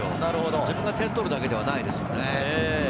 自分が点を取るだけではないですよね。